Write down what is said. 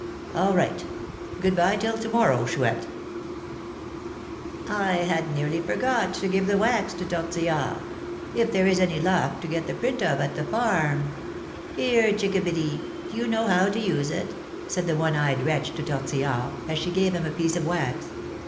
"All right! Good by till to morrow, Chouette." "I had nearly forgot to give the wax to Tortillard, if there is any lock to get the print of at the farm. Here, chickabiddy, do you know how to use it?" said the one eyed wretch to Tortillard, as she gave him a piece of wax.